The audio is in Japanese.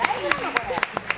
これ。